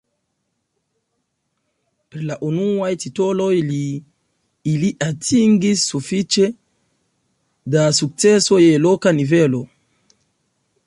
Per la unuaj titoloj ili atingis sufiĉe da sukceso je loka nivelo.